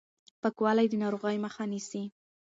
پاکوالی د ناروغۍ مخه نيسي.